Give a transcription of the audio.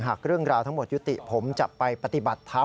หากเรื่องราวทั้งหมดยุติผมจะไปปฏิบัติธรรม